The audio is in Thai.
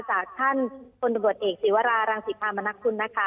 จากท่านคุณตรวจเอกศิวรารังศิษย์ธรรมนักคุณนะคะ